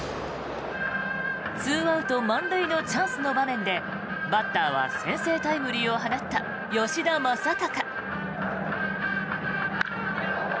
２アウト満塁のチャンスの場面でバッターは先制タイムリーを放った吉田正尚。